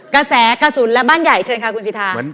กระแสกระสุนและบ้านใหญ่เชิญค่ะคุณสิทธา